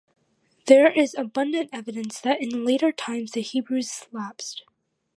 There is abundant evidence that in later times the Hebrews lapsed.